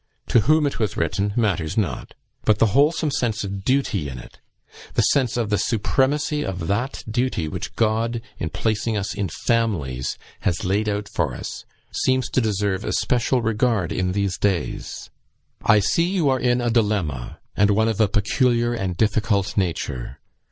To whom it was written, matters not; but the wholesome sense of duty in it the sense of the supremacy of that duty which God, in placing us in families, has laid out for us, seems to deserve especial regard in these days. "I see you are in a dilemma, and one of a peculiar and difficult nature.